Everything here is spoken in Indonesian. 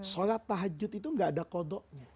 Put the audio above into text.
sholat tahajud itu gak ada kodoknya